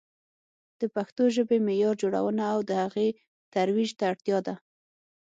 د پښتو ژبې معیار جوړونه او د هغې ترویج ته اړتیا ده.